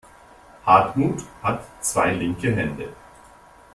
Hartmut hat zwei linke Hände.